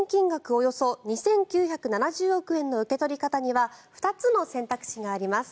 およそ２９７０億円の受け取り方には２つの選択肢があります。